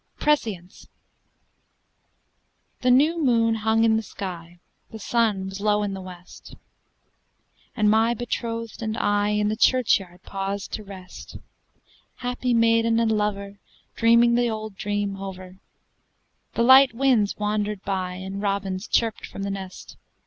PRESCIENCE The new moon hung in the sky, the sun was low in the west, And my betrothed and I in the churchyard paused to rest Happy maiden and lover, dreaming the old dream over: The light winds wandered by, and robins chirped from the nest.